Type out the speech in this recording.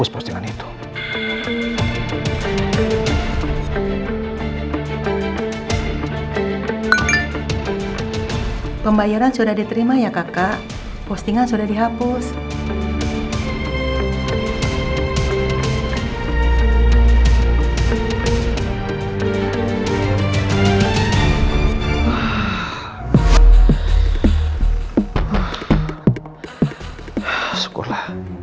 postingan itu sudah dihapus sama mereka